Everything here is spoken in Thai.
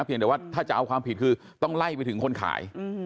แต่ว่าถ้าจะเอาความผิดคือต้องไล่ไปถึงคนขาย